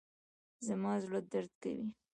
زما زړه درد کوي